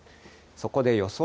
そこで予想